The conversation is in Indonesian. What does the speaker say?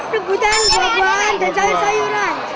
rebutan buah buahan dan sayur sayuran